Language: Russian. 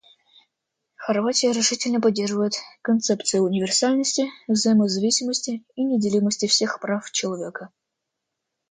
Хорватия решительно поддерживает концепции универсальности, взаимозависимости и неделимости всех прав человека.